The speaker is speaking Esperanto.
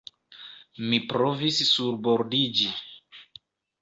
Mi provis surbordiĝi.